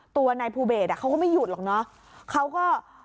ตัวนายภูเบสเขาก็ไม่หยุดหรอกเนอะเขาก็